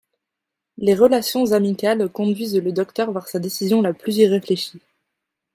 Les relations amicales conduisent le Docteur vers sa décision la plus irréfléchie.